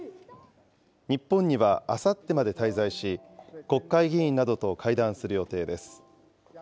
日本にはあさってまで滞在し、国会議員などと会談する予定です。